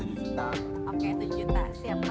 oke tujuh juta siap makasih